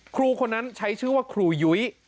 ครูคนนั้นใช้ชื่อว่าครูยุ้ย